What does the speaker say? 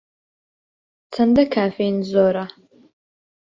چەندە کافین زۆرە؟